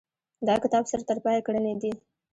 دا کتاب سر ترپایه ګړنې دي.